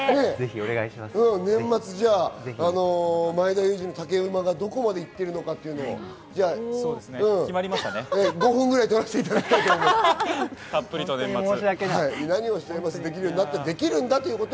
前田裕二の竹馬がどこまでいっているのか、５分ぐらい取らせていただきたいと思います。